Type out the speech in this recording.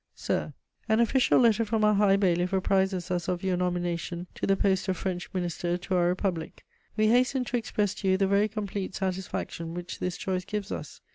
_ "SIR, "An official letter from our High Bailiff apprizes us of your nomination to the post of French Minister to our Republic. We hasten to express to you the very complete satisfaction which this choice gives us.